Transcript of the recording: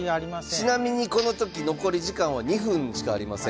ちなみにこの時残り時間は２分しかありません。